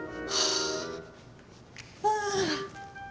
ああ。